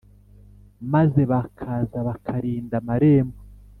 maze bakaza bakarinda amarembo.